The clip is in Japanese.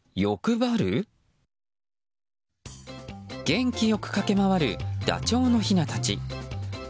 元気よく駆け回るダチョウのひなたち。